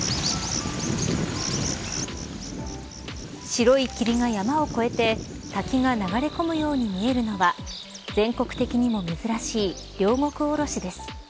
白い霧が山を越えて滝が流れ込むように見えるのは全国的にも珍しい両国おろしです。